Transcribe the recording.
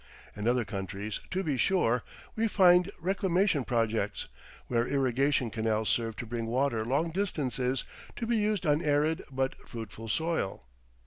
In other countries, to be sure, we find reclamation projects, where irrigation canals serve to bring water long distances to be used on arid but fruitful soil.